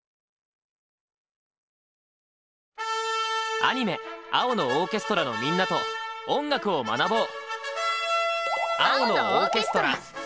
アニメ「青のオーケストラ」のみんなと音楽を学ぼう！